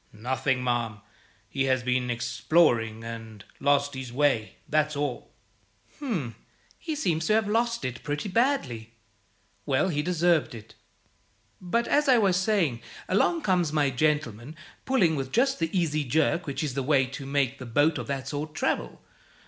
"Nothing, ma'am. He has been exploring, and lost his way; that's all." "H'm! he seems to have lost it pretty badly. Well, he deserved it. But, as I was saying, along comes my gentleman, pulling with just the easy jerk which is the way to make a boat of that sort travel.